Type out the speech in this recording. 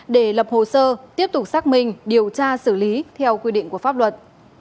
để lập hồ sơ tiếp tục xác minh điều tra xử lý theo quy định của pháp luật